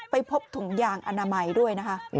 ไปพบถุงยางอนามัยด้วยนะคะ